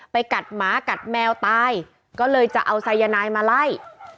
กัดหมากัดแมวตายก็เลยจะเอาสายนายมาไล่